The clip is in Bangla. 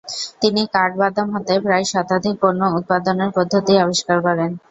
তিনি কাঠ বাদাম হতে প্রায় শতাধিক পণ্য উৎপাদনের পদ্ধতি আবিষ্কার করেন।